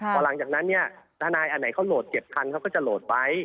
พอหลังจากนั้นเนี่ยทนายอันไหนเขาโหลด๗คันเขาก็จะโหลดไว้